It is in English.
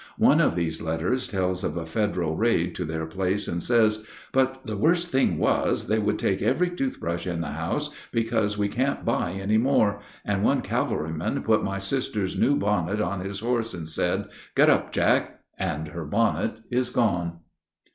One of these letters tells of a Federal raid to their place, and says: "But the worst thing was, they would take every toothbrush in the house, because we can't buy any more; and one cavalryman put my sister's new bonnet on his horse, and said, 'Get up, Jack,' and her bonnet was gone."